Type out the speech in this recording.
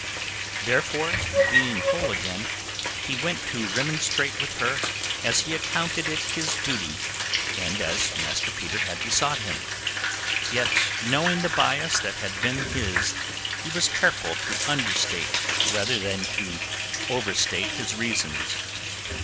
Therefore, being whole again, he went to remonstrate with her as he accounted it his duty and as Master Peter had besought him. Yet knowing the bias that had been his he was careful to understate rather than to overstate his reasons.